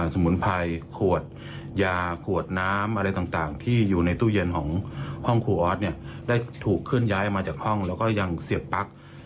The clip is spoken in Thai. สมุนไพรขวดยาขวดน้ำอะไรต่างเจอและถูกขึ้นย้ายมาจากกล้องแล้วก็ยังเสียบปลั๊ก